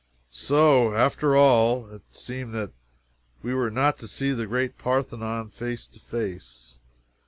So, after all, it seemed that we were not to see the great Parthenon face to face.